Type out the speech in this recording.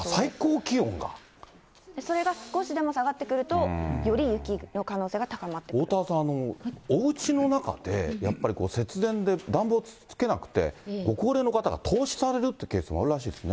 それが少しでも下がってくると、おおたわさん、おうちの中でやっぱり節電で暖房つけなくて、ご高齢の方が凍死されるってケースもあるらしいですね。